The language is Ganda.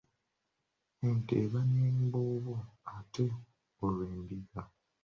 Ente eba n’emboobo ate olwo endiga?